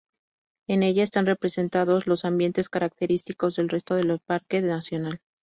En ella están representados los ambientes característicos del resto del Parque nacional.